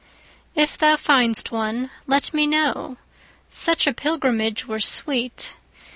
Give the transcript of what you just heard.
If thou find'st one, let me know; Such a pilgrimage were sweet.